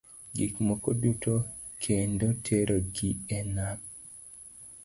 Gik moko duto kendo tero gi e nam.